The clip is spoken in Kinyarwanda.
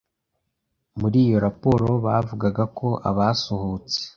Muri iyo raporo bavugaga ko abasuhutse